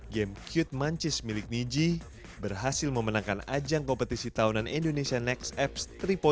game cute muncies milik niji berhasil memenangkan ajang kompetisi tahunan indonesia next apps tiga